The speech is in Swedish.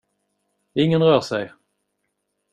Ingen rör sig!